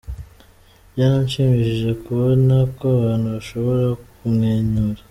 Byaranshimishije kubona ko abantu bashobora kumwenyura.